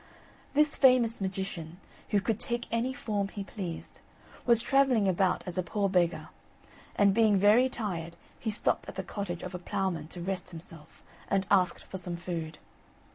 This famous magician, who could take any form he pleased, was travelling about as a poor beggar, and being very tired, he stopped at the cottage of a ploughman to rest himself, and asked for some food.